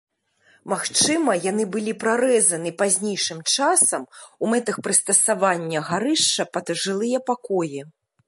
Магчыма, яны былі прарэзаны пазнейшым часам у мэтах прыстасавання гарышча пад жылыя пакоі.